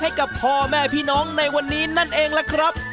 ให้กับพ่อแม่พี่น้องในวันนี้นั่นเองล่ะครับ